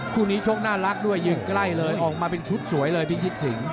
คู่นี้ชกน่ารักด้วยยืนใกล้เลยออกมาเป็นชุดสวยเลยพิชิตสิง